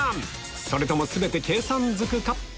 それとも全て計算ずくか？